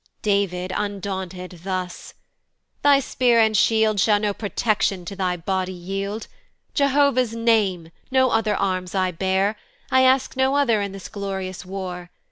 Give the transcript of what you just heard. David undaunted thus, "Thy spear and shield "Shall no protection to thy body yield: "Jehovah's name no other arms I bear, "I ask no other in this glorious war.